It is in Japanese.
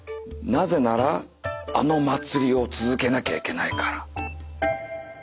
なぜならあの祭りを続けなきゃいけないから。